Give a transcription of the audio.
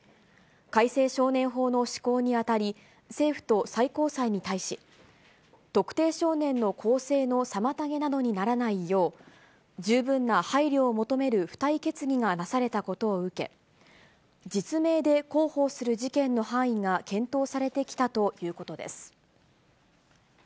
改正少年法の施行にあたり、政府と最高裁に対し、特定少年の更生の妨げなどにならないよう、十分な配慮を求める付帯決議がなされたことを受け、実名で広報する事件の範囲が検討されてきたということです。